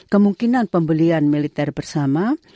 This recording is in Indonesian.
kemungkinan pembelian militer bersama